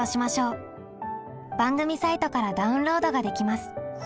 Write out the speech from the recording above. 番組サイトからダウンロードができます。